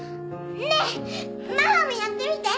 ねぇママもやってみて！